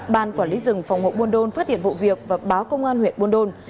bàn quản lý rừng phòng hộ bồn đôn phát hiện vụ việc và báo công an huyện bồn đôn